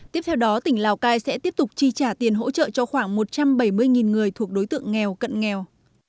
tiếp theo đó tỉnh lào cai sẽ tiếp tục chi trả tiền hỗ trợ cho khoảng một trăm bảy mươi người thuộc đối tượng nghèo cận nghèo